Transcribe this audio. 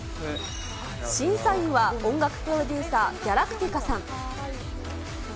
審査員は音楽プロデューサー、ギャラクティカさん。